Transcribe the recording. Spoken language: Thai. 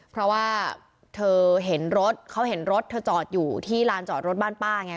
เพราะว่าเธอเห็นรถเขาเห็นรถเธอจอดอยู่ที่ลานจอดรถบ้านป้าไง